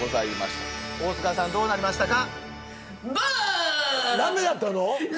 大塚さんどうなりましたか？